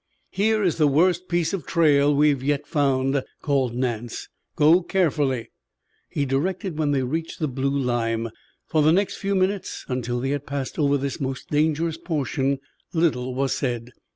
"Here is the worst piece of trail we have yet found," called Nance. "Go carefully," he directed when they reached the "blue lime." For the next few minutes, until they had passed over this most dangerous portion, little was said.